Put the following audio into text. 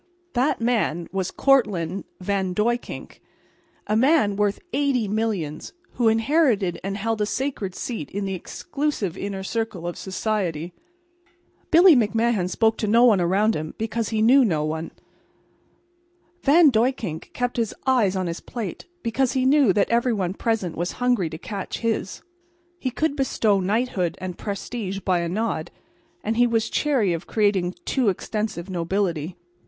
That man was Cortlandt Van Duyckink, a man worth eighty millions, who inherited and held a sacred seat in the exclusive inner circle of society. Billy McMahan spoke to no one around him, because he knew no one. Van Duyckink kept his eyes on his plate because he knew that every one present was hungry to catch his. He could bestow knighthood and prestige by a nod, and he was chary of creating a too extensive nobility.